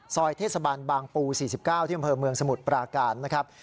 ซอยเทศบาลบางปู๔๙ที่อำเภอเมืองสมุทรปราการนะครับ